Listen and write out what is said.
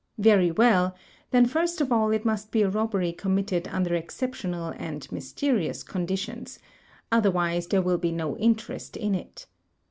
Very well; then first of all, it must be a robbery committed under exceptional any mysterious conditions, otherwise there will be no interest in it.